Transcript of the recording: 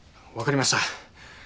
分かりました。